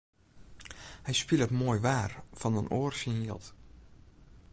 Hy spilet moai waar fan in oar syn jild.